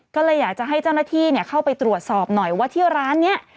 ก็เลยอยากจะให้เจ้าหน้าที่เข้าไปตรวจสอบหน่อยว่าที่ร้านนี้